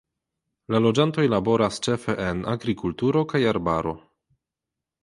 La loĝantoj laboras ĉefe en agrikulturo kaj arbaro.